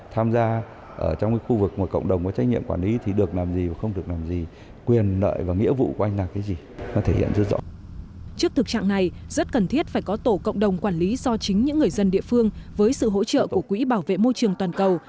trước thực trạng này rất cần thiết phải có tổ cộng đồng quản lý do chính những người dân địa phương với sự hỗ trợ của quỹ bảo vệ môi trường toàn cầu